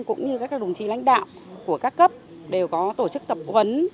cũng như các đồng chí lãnh đạo của các cấp đều có tổ chức tập huấn